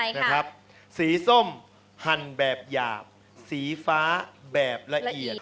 นะครับสีส้มหั่นแบบหยาบสีฟ้าแบบละเอียด